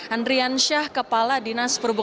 andrian syah kepala dinas perhubungan